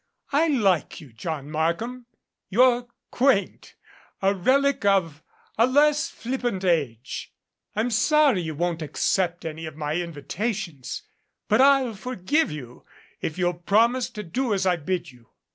"I like you, John Markham. You're quaint a relic of a less flippant age. I'm sorry you won't accept any of my invitations but I'll forgive you, if you'll promise to do as I bid you."